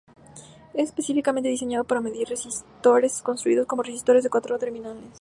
Es específicamente diseñado para medir resistores construidos como resistores de cuatro terminales.